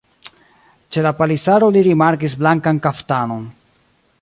Ĉe la palisaro li rimarkis blankan kaftanon.